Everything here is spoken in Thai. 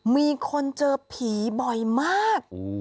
มีคนเจอผีบ่อยมาก